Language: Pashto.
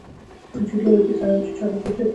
جون یو عجیب سړی و چې چا نه پېژانده